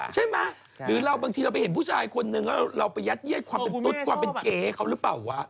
ใช่ไหมหรือเราบางทีเราไปเห็นผู้ชายคนนึงแล้วเราไปยัดเยียดความเป็นตุ๊ดความเป็นเก๋ให้เขาหรือเปล่าวะ